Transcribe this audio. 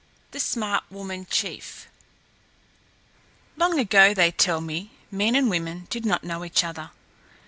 THE SMART WOMAN CHIEF Long ago, they tell me, men and women did not know each other.